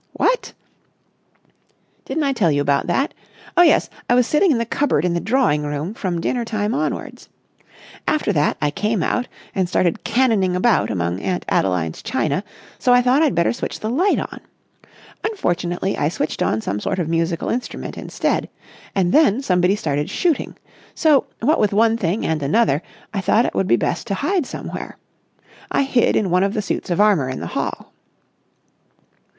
"What!" "Didn't I tell you about that? Oh yes, I was sitting in the cupboard in the drawing room from dinner time onwards. After that I came out and started cannoning about among Aunt Adeline's china, so I thought I'd better switch the light on. Unfortunately I switched on some sort of musical instrument instead. And then somebody started shooting. So, what with one thing and another, I thought it would be best to hide somewhere. I hid in one of the suits of armour in the hall."